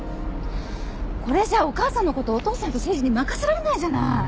これじゃお母さんのことお父さんと誠治に任せられないじゃない。